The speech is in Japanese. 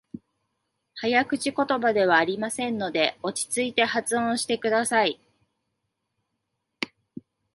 早口言葉ではありませんので、落ち着いて発音してください。